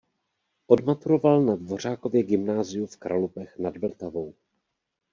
Odmaturoval na Dvořákově gymnáziu v Kralupech nad Vltavou.